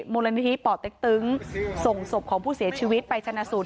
มวลหน้าที่ปอดเต็กตึ๊งส่งสบของผู้เสียชีวิตไปชนะสูตร